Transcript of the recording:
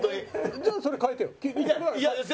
じゃあそれ替えてよ。